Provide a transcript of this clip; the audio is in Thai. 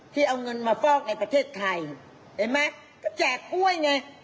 ที่เอาเงินมาฟอกในประเทศไทยเห็นไหมก็แจกกล้วยไง